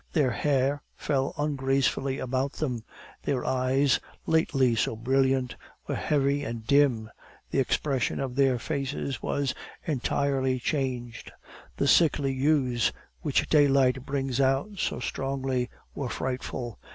Their hair fell ungracefully about them; their eyes, lately so brilliant, were heavy and dim; the expression of their faces was entirely changed. The sickly hues, which daylight brings out so strongly, were frightful.